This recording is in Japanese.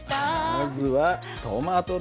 まずはトマトです。